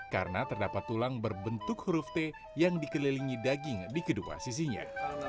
karena terdapat tulang berbentuk huruf t yang dikelilingi daging di kedua sisinya